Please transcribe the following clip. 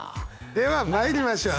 ではまいりましょう。